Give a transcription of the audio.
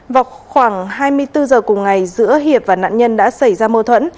vào khoảng hai mươi bốn h cùng ngày giữa hiệp và nạn nhân đã xảy ra mâu thuẫn